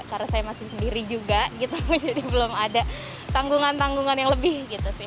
karena saya masih sendiri juga gitu jadi belum ada tanggungan tanggungan yang lebih gitu sih